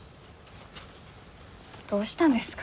どうしたんですか？